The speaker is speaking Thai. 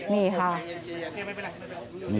นี่ค่ะ